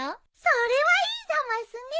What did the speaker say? それはいいざますね。